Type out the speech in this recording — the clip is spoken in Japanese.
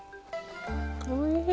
おいしい！